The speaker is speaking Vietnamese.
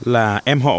là em họ